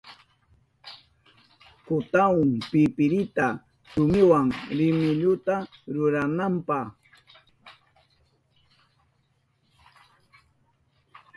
Kutahun piripirita rumiwa rimilluta rurananpa.